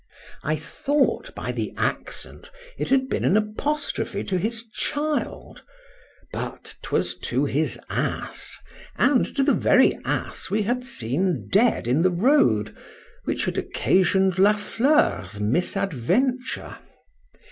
—I thought, by the accent, it had been an apostrophe to his child; but 'twas to his ass, and to the very ass we had seen dead in the road, which had occasioned La Fleur's misadventure.